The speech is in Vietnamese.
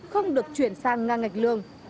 không được chuyển sang ngang ngạch lương